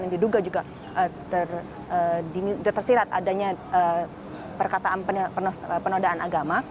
yang diduga juga tersirat adanya perkataan penodaan agama